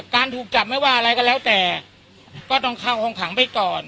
ถูกจับไม่ว่าอะไรก็แล้วแต่ก็ต้องเข้าห้องขังไปก่อน